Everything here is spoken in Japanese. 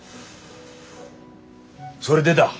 それでだう